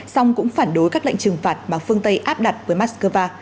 song cũng phản đối các lệnh trừng phạt mà phương tây áp đặt với moscow